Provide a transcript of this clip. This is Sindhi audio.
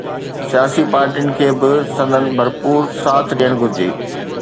سياسي پارٽين کي به سندن ڀرپور ساٿ ڏيڻ گهرجي.